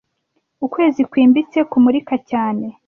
ukwezi kwimbitse kumurika cyane